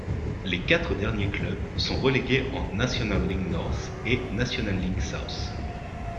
Les quatre derniers clubs sont relégués en National League North et National League South.